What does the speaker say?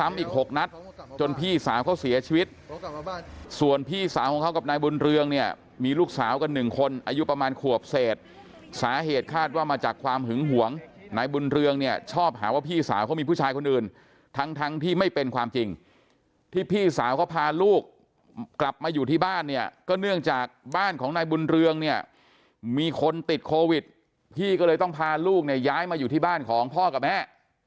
มีลูกสาวกันหนึ่งคนอายุประมาณขวบเศษสาเหตุคาดว่ามาจากความหึงหวงนายบุญเรืองเนี่ยชอบหาว่าพี่สาวเขามีผู้ชายคนอื่นทั้งที่ไม่เป็นความจริงที่พี่สาวเขาพาลูกกลับมาอยู่ที่บ้านเนี่ยก็เนื่องจากบ้านของนายบุญเรืองเนี่ยมีคนติดโควิดพี่ก็เลยต้องพาลูกในย้ายมาอยู่ที่บ้านของพ่อกับแม่